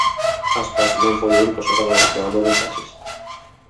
Aspas non foi o único xogador que mandou mensaxes.